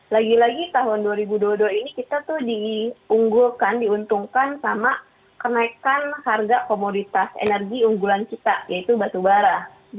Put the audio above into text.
lagi lagi tahun dua ribu dua puluh dua ini kita tuh diunggulkan diuntungkan sama kenaikan harga komoditas energi unggulan kita yaitu batu bara